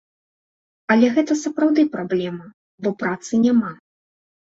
Але гэта сапраўды праблема, бо працы няма.